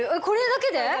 これだけで？